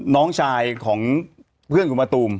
น้องชายของเพื่อนคุณมะตูม